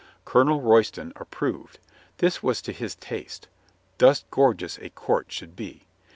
Colonel Royston approved. This was to his taste. Thus gorgeous a court should be.